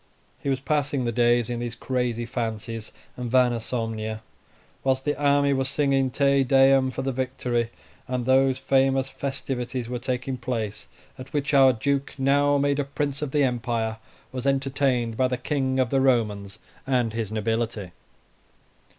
He was passing the days in these crazy fancies, and vana somnia, whilst the army was singing "Te Deum" for the victory, and those famous festivities were taking place at which our Duke, now made a Prince of the Empire, was entertained by the King of the Romans and his nobility.